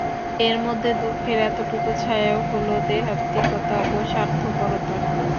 এর মধ্যে দুঃখের এতটুকু ছায়াও হল দেহাত্মিকতা এবং স্বার্থপরতা।